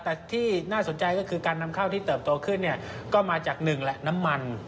แต่ที่น่าสนใจก็คือการนำเข้าที่เติบโตขึ้นเนี่ยก็มาจากหนึ่งแหละน้ำมัน